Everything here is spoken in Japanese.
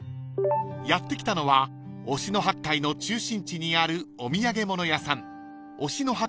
［やって来たのは忍野八海の中心地にあるお土産物屋さん］